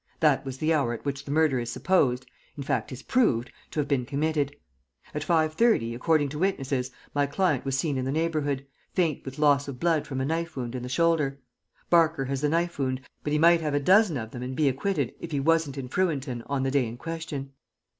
That was the hour at which the murder is supposed in fact, is proved to have been committed. At 5.30, according to witnesses, my client was seen in the neighborhood, faint with loss of blood from a knife wound in the shoulder. Barker has the knife wound, but he might have a dozen of them and be acquitted if he wasn't in Frewenton on the day in question."